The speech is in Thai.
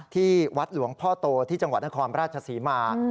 ที่วัดหลวงพ่อโตที่จังหวัดนครราชศรีมา